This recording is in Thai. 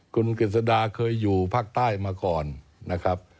คุณกฤษดาเคยอยู่ภาคใต้มาก่อนนะครับ